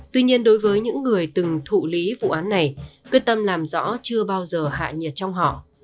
tuy nhiên đối với những người từng thụ lý vụ án này quyết tâm làm rõ chưa bao giờ hạ nhiệt trong họ